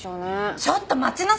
ちょっと待ちなさい！